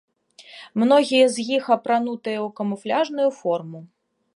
Многія з іх апранутыя ў камуфляжную форму.